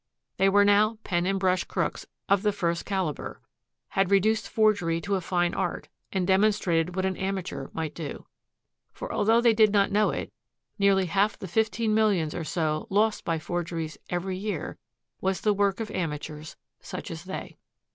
They were now pen and brush crooks of the first caliber, had reduced forgery to a fine art and demonstrated what an amateur might do. For, although they did not know it, nearly half the fifteen millions or so lost by forgeries every year was the work of amateurs such as they.